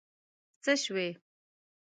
څه شوي؟